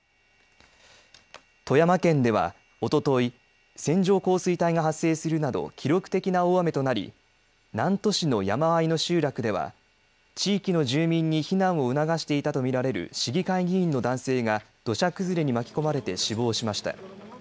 富山県では、おととい線状降水帯が発生するなど記録的な大雨となり南砺市の山あいの集落では地域の住民に避難を促していたと見られる市議会議員の男性が土砂崩れに巻き込まれて死亡しました。